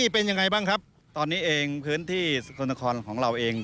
เป็นยังไงบ้างครับตอนนี้เองพื้นที่สกลนครของเราเอง